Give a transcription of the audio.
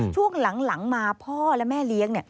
ช่วงหลังมาพ่อและแม่เลี้ยง